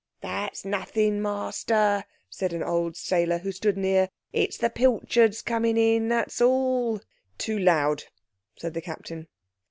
"That's nothing, master," said an old sailor who stood near; "it's the pilchards coming in, that's all." "Too loud," said the Captain.